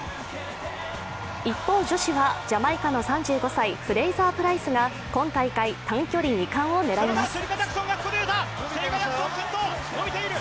一方、女子はジャマイカの３５歳フレイザー・プライスが今大会、短距離２冠を狙います。